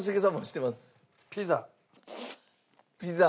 ピザ。